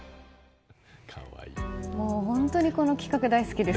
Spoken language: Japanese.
本当にこの企画、大好きです。